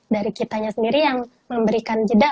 dari kitanya sendiri yang memberikan jeda